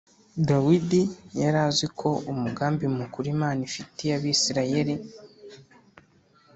dawidi yari azi ko umugambi mukuru imana ifitiye abisirayeli